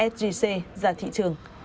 sgc ra thị trường